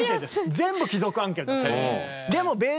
全部貴族案件だったんです。